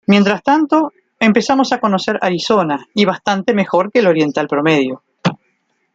Mientras tanto, empezamos a conocer Arizona, y bastante mejor que el oriental promedio.